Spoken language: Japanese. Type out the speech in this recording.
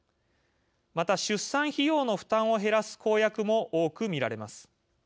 また、出産費用の負担を減らす公約も多く見られます。